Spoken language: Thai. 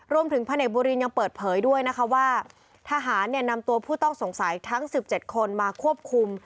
พระเนกบุรินยังเปิดเผยด้วยนะคะว่าทหารนำตัวผู้ต้องสงสัยทั้ง๑๗คนมาควบคุม